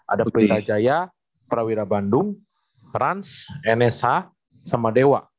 ada pelirajaya prawira bandung trans nsh sama dewa